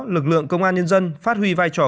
lực lượng công an nhân dân phát huy vai trò